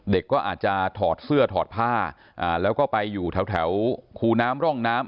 เด็กก็อาจจะถอดเสื้อถอดผ้าแล้วก็ไปอยู่แถวคูน้ำร่องน้ำ